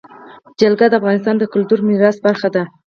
جلګه د افغانستان د کلتوري میراث برخه ده.